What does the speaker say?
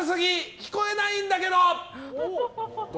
聞こえないんだけど！